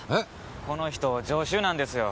この人常習なんですよ。